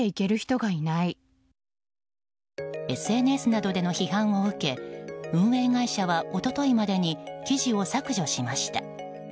ＳＮＳなどでの批判を受け運営会社は一昨日までに記事を削除しました。